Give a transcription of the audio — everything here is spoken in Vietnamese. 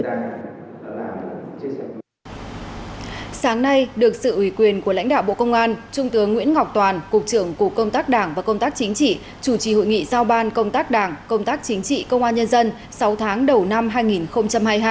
trung tướng nguyễn ngọc toàn cục trưởng của công tác đảng và công tác chính trị chủ trì hội nghị giao ban công tác đảng công tác chính trị công an nhân dân sáu tháng đầu năm hai nghìn hai mươi hai